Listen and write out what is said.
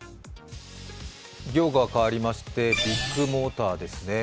行が変わりましてビッグモーターですね